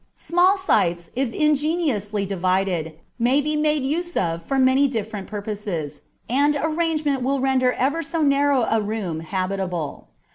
Small sites, if ingeniously divided, may be made use of for many different purposes, and arrangement will render ever so narrow a room habitable.